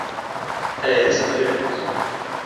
Elle a été sa deuxième épouse.